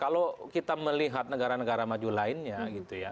kalau kita melihat negara negara maju lainnya gitu ya